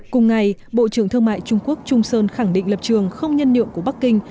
cùng ngày bộ trưởng thương mại trung quốc trung sơn khẳng định lập trường không nhân nhượng của bắc kinh